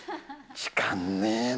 時間ねえな。